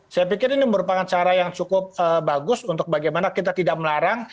saya pikir ini merupakan cara yang cukup bagus untuk bagaimana kita tidak melarang